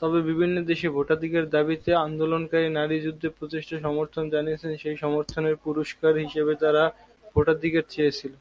তবে, বিভিন্ন দেশে ভোটাধিকারের দাবীতে আন্দোলনকারী নারীরা যুদ্ধের প্রচেষ্টাকে সমর্থন জানিয়েছিল, সেই সমর্থনের পুরস্কার হিসাবে তারা ভোটাধিকার চেয়েছিল।